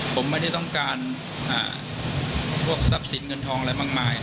ผมไม่ได้ต้องการพวกทรัพย์สินเงินทองอะไรมากมาย